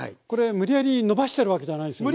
無理やり伸ばしてるわけじゃない。